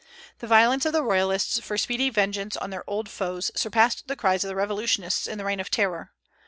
The violence of the Royalists for speedy vengeance on their old foes surpassed the cries of the revolutionists in the Reign of Terror.